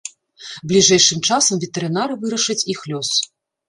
Бліжэйшым часам ветэрынары вырашаць іх лёс.